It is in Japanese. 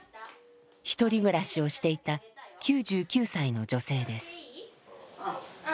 一人暮らしをしていた９９歳の女性です。